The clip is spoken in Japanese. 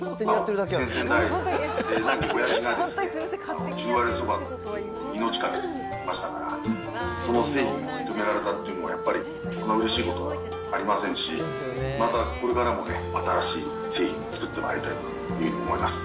先々代の亡き親父がですね、十割そばに命かけてましたから、その製品が認められたというのは、やっぱりこんなうれしいことはありませんし、またこれからもね、新しい製品を作ってまいりたいと思います。